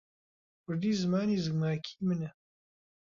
کوردی زمانی زگماکیی منە.